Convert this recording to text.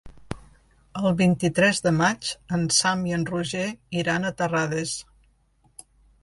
El vint-i-tres de maig en Sam i en Roger iran a Terrades.